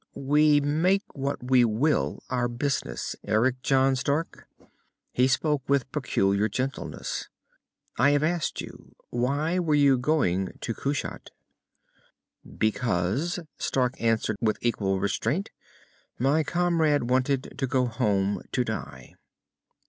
"We make what we will our business, Eric John Stark." He spoke with a peculiar gentleness. "I have asked you. Why were you going to Kushat?" "Because," Stark answered with equal restraint, "my comrade wanted to go home to die."